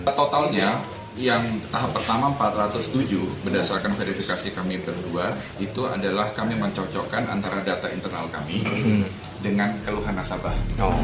totalnya yang tahap pertama empat ratus tujuh berdasarkan verifikasi kami yang kedua itu adalah kami mencocokkan antara data internal kami dengan keluhan nasabah